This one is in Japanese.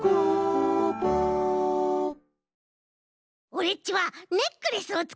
オレっちはネックレスをつくるぞ。